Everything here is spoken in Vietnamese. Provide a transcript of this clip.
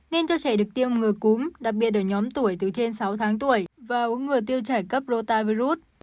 nên cho trẻ được tiêm ngừa cúm đặc biệt ở nhóm tuổi từ trên sáu tháng tuổi và uống ngừa tiêu trải cấp rotavirus